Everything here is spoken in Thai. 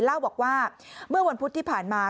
เล่าบอกว่าเมื่อวันพุธที่ผ่านมา